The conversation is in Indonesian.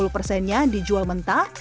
lima puluh persennya dijual mentah